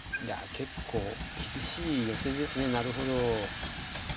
いや結構厳しいヨセですなるほど。